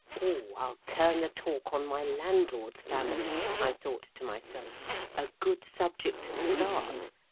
"Oh, I'll turn the talk on my landlord's family!" I thought to myself. "A good subject to start!